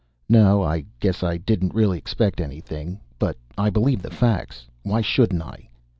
"No, I guess I didn't really expect anything. But I believe the facts. Why shouldn't I?"